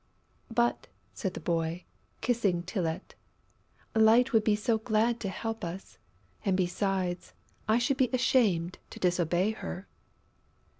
"But," said the boy, kissing Tylette, "Light would be so glad to help us ... and besides I should be ashamed to disobey her...."